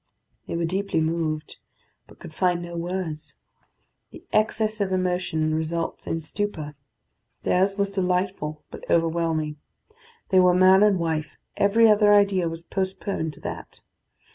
They were deeply moved, but could find no words. The excess of emotion results in stupor. Theirs was delightful, but overwhelming. They were man and wife: every other idea was postponed to that.